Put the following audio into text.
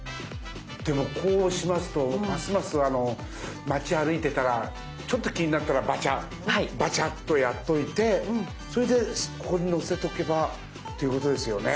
でもこうしますとますます町歩いてたらちょっと気になったらバチャッバチャッとやっといてそれでここに載せとけばということですよね。